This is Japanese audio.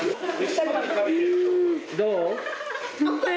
どう？